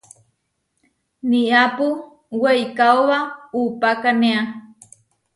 Niápu weikaóba upákanea.